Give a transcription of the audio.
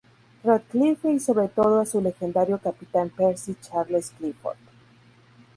Ratcliffe y sobre todo a su legendario capitán Percy Charles Clifford.